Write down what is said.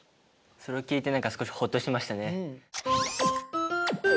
それを聞いて何か少しほっとしましたね。